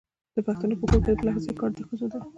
د پښتنو په کور کې د پخلنځي کار د ښځو دی.